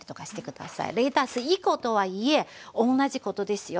レタス１コとはいえ同じことですよ。